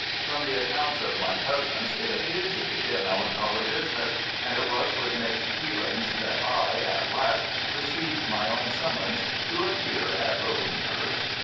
From the accounts of my cousins it appeared to be a melancholy business, and it was with mixed feelings that I at last received my own summons to appear at Rodenhurst.